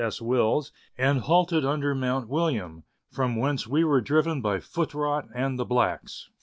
S. Wills, and halted under Mount William, from whence we were driven by foot rot and the blacks.